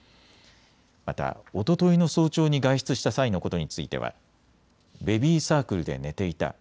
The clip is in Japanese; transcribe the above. またおとといの早朝に外出した際のことについてはベビーサークルで寝ていた。